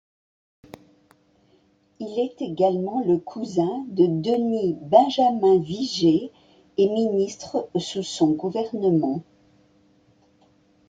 Il est également le cousin de Denis-Benjamin Viger et ministre sous son gouvernement.